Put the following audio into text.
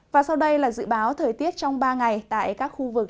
và sau đây là dự báo thời tiết trong ba ngày tại các khu vực